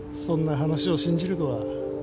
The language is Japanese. そんな話を信じるとは。